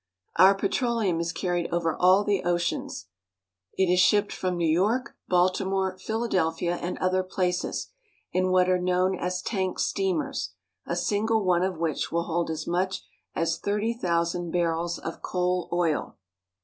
Our petroleum is carried over all the oceans. It is shipped from New York, Baltimore, Phila delphia, and other places, in what are known as tank steamers, a single one of which will hold as much as thirty thousand barrels of coal oil.